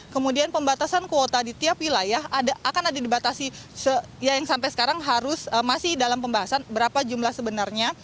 kemudian pembatasan kuota di tiap wilayah akan ada dibatasi yang sampai sekarang harus masih dalam pembahasan berapa jumlah sebenarnya